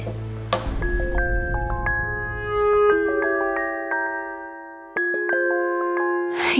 saya akan mencari